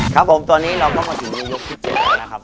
ครับผมตอนนี้เราก็มาถึงในยกที่๗แล้วนะครับ